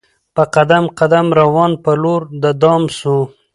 په قدم قدم روان پر لور د دام سو